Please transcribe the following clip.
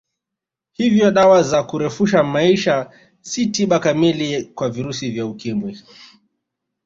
Hivyo dawa za kurefusha maisha si tiba kamili kwa virusi vya Ukimwi